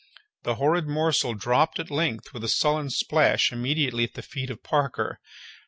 The horrid morsel dropped at length with a sullen splash immediately at the feet of Parker.